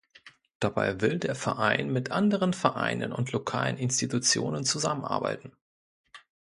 Dabei will der Verein mit anderen Vereinen und lokalen Institutionen zusammenarbeiten.